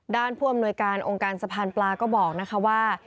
ด้านพวงหน่วยการองค์การสะพานปลาก็บอกว่า